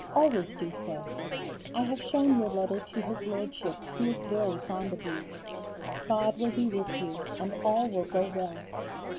Always do so. I have shown your letter to his Lordship, who is very fond of you. God will be with you and all will go well.